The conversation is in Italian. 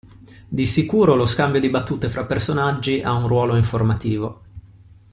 Di sicuro, lo scambio di battute fra personaggi ha un ruolo informativo.